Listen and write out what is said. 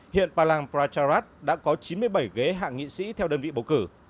hiện palang pracharat đã có chín mươi bảy ghế hạ nghị sĩ theo đơn vị bầu cử